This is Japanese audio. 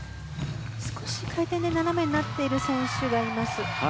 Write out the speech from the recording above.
少し回転が斜めになっている選手がいます。